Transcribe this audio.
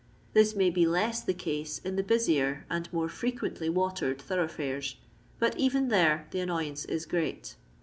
This may be loss the case in the busier and more frequently watered thoroughfares, but even there the annoyance is great.